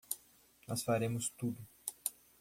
Nós faremos tudo.